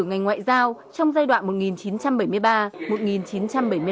ngành ngoại giao trong giai đoạn một nghìn chín trăm bảy mươi ba một nghìn chín trăm bảy mươi năm